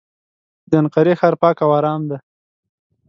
د انقرې ښار پاک او ارام دی.